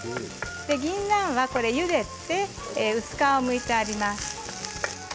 ぎんなんは、ゆでて薄皮をむいてあります。